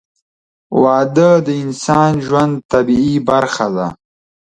• واده د انساني ژوند طبیعي برخه ده.